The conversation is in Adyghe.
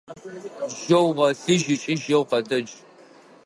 Жьэу гъолъыжь ыкӏи жьэу къэтэдж!